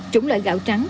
chủng lợi gạo trắng